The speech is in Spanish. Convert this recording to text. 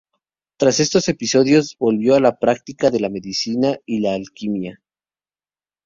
Tras estos episodios volvió a la práctica de la medicina y la alquimia.